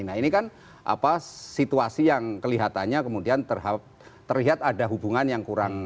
nah ini kan situasi yang kelihatannya kemudian terlihat ada hubungan yang kurang